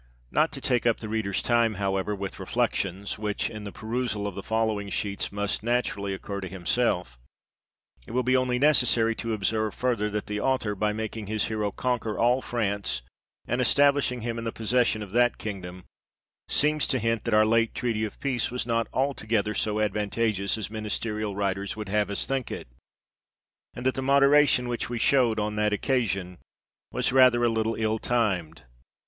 Not to take up the reader's time, however, with reflections, which in the perusal of the following sheets must naturally occur to himself, it will be only necessary to observe further, that the author, by making his Hero conquer all France, and establishing him in the possesion of ^hat kingdom, seems to hint that our late treaty of peace was not altogether so advantageous as ministerial writers would have us think it ; and that the moderation which we showed on that occasion, was rather a little ill timed.